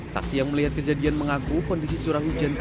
saya ngeliatnya pas dia itu udah loncat